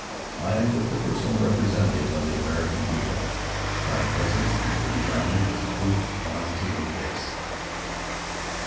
I was the personal representative of the American people. My presence in the British army was proof positive of this.